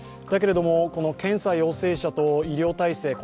だけれども、検査陽性者と医療体制